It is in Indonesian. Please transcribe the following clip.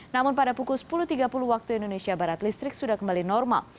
namun pada pukul sepuluh tiga puluh waktu indonesia barat listrik sudah kembali normal